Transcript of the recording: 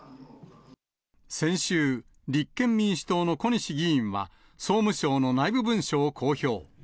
先週、立憲民主党の小西議員は、総務省の内部文書を公表。